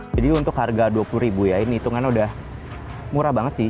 jadi untuk harga dua puluh ribu ya ini itu kan udah murah banget sih